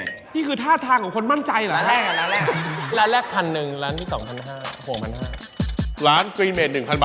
นี่คือท่าทางของคนมั่นใจไหม